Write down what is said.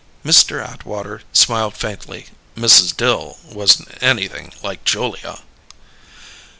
Mr. Atwater smiled faintly. "Mrs. Dill wasn't anything like Julia."